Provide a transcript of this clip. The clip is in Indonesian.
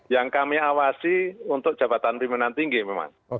yang kami awasi untuk jabatan pimpinan tinggi memang